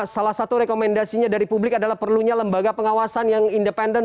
salah satu rekomendasinya dari publik adalah perlunya lembaga pengawasan yang independen